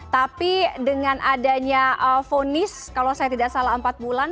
tapi dengan adanya vonis kalau saya tidak salah empat bulan